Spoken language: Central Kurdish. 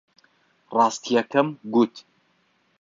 ڕاستییەکەم گوت.